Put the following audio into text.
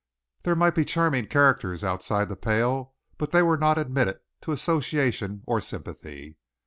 There might be charming characters outside the pale, but they were not admitted to association or sympathy.